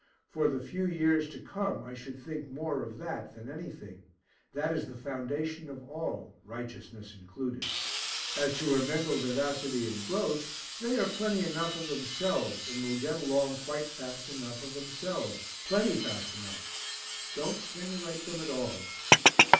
For the few years to come I should think more of that than anything that is the foundation of all (righteousness included); as to her mental vivacity and growth, they are plenty enough of themselves, and will get along quite fast enough of themselves, plenty fast enough don't stimulate them at all.